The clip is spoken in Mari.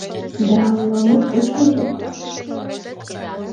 Да ола — моткоч мотор.